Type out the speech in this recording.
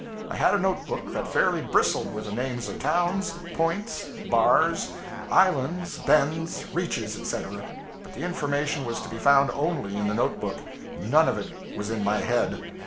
I had a note book that fairly bristled with the names of towns, 'points,' bars, islands, bends, reaches, etc.; but the information was to be found only in the notebook none of it was in my head.